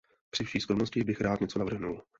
Při vší skromnosti bych rád něco navrhnul.